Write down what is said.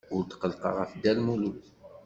Ur tqellqeɣ ɣef Dda Lmulud.